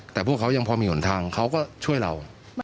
แต่พวกเขายังพอมีหนทางเขาก็ช่วยเรา